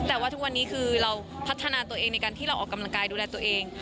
แต่ว่าทุกวันนี้คือเราพัฒนาตัวเองในการที่เราออกกำลังกายดูแลตัวเอง